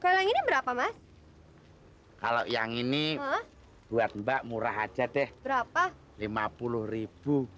sekarang ini berapa mas kalau yang ini buat mbak murah aja deh berapa lima puluh ribu